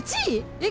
えっ？